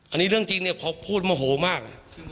อันนี้เรื่องจริงพอพูดมาโหงมาก